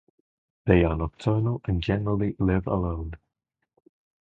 They are nocturnal and generally live alone.